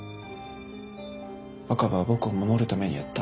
若葉は僕を守るためにやった。